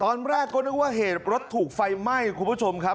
ตอนแรกก็นึกว่าเหตุรถถูกไฟไหม้คุณผู้ชมครับ